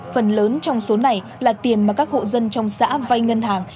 phần lớn trong số này là tiền mà các hộ dân trong xã vay ngân hàng